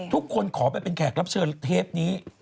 ขอไปเป็นแขกรับเชิญเทปนี้